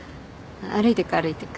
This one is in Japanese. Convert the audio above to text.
歩いてく歩いてく。